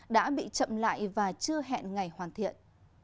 đã bị chậm lại và chưa hẹn ngày hoàn thiện